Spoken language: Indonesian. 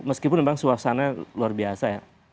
meskipun memang suasana luar biasa ya